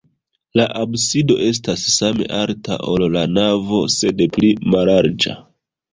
La absido estas same alta, ol la navo, sed pli mallarĝa.